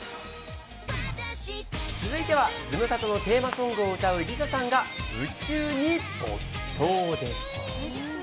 続いては、ズムサタのテーマソングを歌うＬｉＳＡさんが宇宙に没頭です。